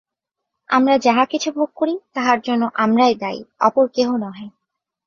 আমরা যাহা কিছু ভোগ করি, তাহার জন্য আমরাই দায়ী, অপর কেহ নহে।